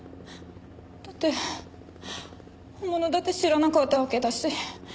だって本物だって知らなかったわけだし。